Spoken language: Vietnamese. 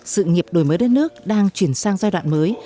sự nghiệp đổi mới đất nước đang chuyển sang giai đoạn mới